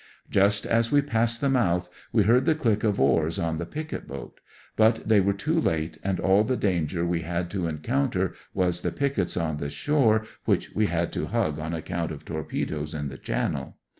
Just as we passed the mouth, we heard the click of oars on the picket boat; but they were too late, and all the danger we had to encounter was the pickets on the shore which we had to hug on account of torpedoes in the channel.